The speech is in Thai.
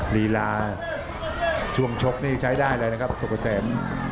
ลีลาช่วงชกนี่ใช้ได้เลยนะครับสุกเกษม